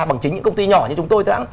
bằng chính những công ty nhỏ như chúng tôi